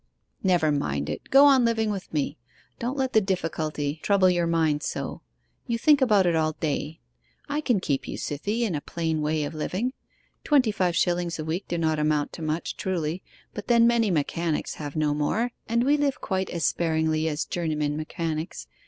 'Never mind it. Go on living with me. Don't let the difficulty trouble your mind so; you think about it all day. I can keep you, Cythie, in a plain way of living. Twenty five shillings a week do not amount to much truly; but then many mechanics have no more, and we live quite as sparingly as journeymen mechanics...